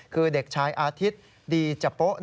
คือเด็กชายอาทิตย์ดีจะโป๊ะ